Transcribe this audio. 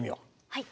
はい。